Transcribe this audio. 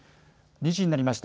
２時になりました。